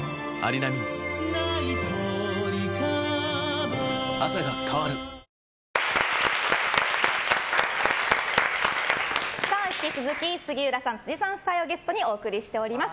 ぷはーっ引き続き杉浦さん辻さん夫妻をゲストにお送りしております